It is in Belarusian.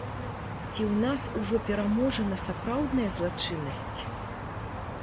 Ці ў нас ужо пераможана сапраўдная злачыннасць?